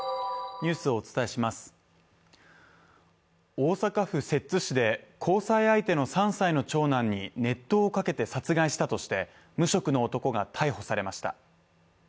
大阪府摂津市で交際相手の３歳の長男に熱湯をかけて殺害したとして無職の男が逮捕されました。